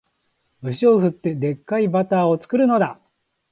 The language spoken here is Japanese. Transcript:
牛を振って、デッカいバターを作るのだ